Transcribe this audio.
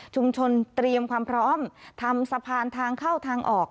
เตรียมความพร้อมทำสะพานทางเข้าทางออก